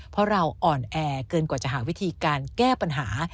เพราะเราอ่อนแอเกินกว่าจะหาวิธีการแก้ปัญหา